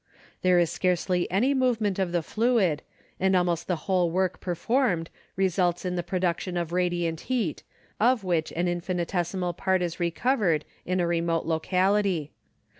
There is scarcely any movement of the fluid and almost the whole work performed results in the pro duction of radiant heat, of which an in finitesimal part is recovered in a remote locality.